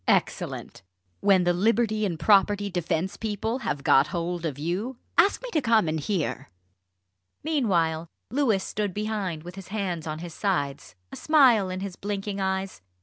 "Excellent! When the Liberty and Property Defence people have got hold of you ask me to come and hear!" Meanwhile, Louis stood behind, with his hands on his sides, a smile in his blinking eyes.